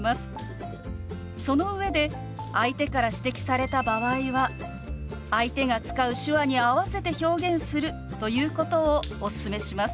その上で相手から指摘された場合は相手が使う手話に合わせて表現するということをおすすめします。